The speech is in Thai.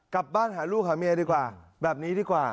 กลับบ้านหาลูกหาเมียดีกว่าแบบนี้ดีกว่า